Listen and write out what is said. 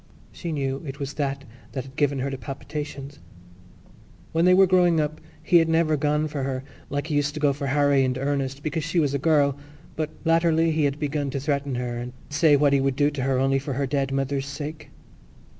She knew it was that that had given her the palpitations. When they were growing up he had never gone for her like he used to go for Harry and Ernest, because she was a girl; but latterly he had begun to threaten her and say what he would do to her only for her dead mother's sake.